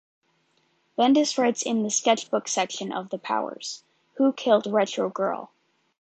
Bendis writes in the 'Sketchbook' section of the Powers: Who Killed Retro Girl?